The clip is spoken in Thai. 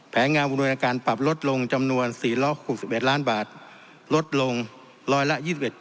งานอุดรการปรับลดลงจำนวน๔๖๑ล้านบาทลดลงร้อยละ๒๑๗